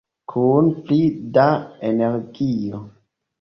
Kun pli da energio!